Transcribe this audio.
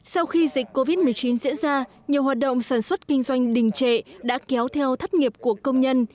sau khi dịch covid một mươi chín diễn ra nhiều hoạt động sản xuất kinh doanh đình trệ đã kéo theo thắt nghiệp của công nhân